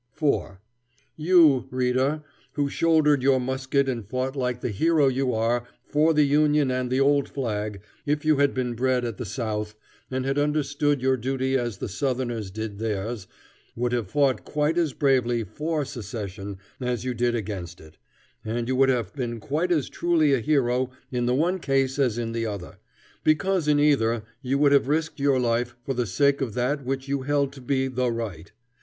4. You, reader, who shouldered your musket and fought like the hero you are, for the Union and the old flag, if you had been bred at the South, and had understood your duty as the Southerners did theirs, would have fought quite as bravely for secession as you did against it; and you would have been quite as truly a hero in the one case as in the other, because in either you would have risked your life for the sake of that which you held to be the right.